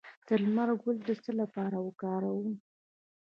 د لمر ګل د څه لپاره وکاروم؟